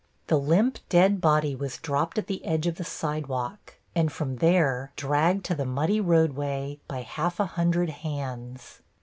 The limp dead body was dropped at the edge of the sidewalk and from there dragged to the muddy roadway by half a hundred hands.